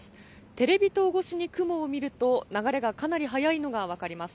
テレビ塔越しに雲を見ると流れがかなり速いのが分かります。